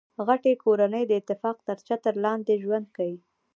غټۍ کورنۍ د اتفاق تر چتر لاندي ژوند کیي.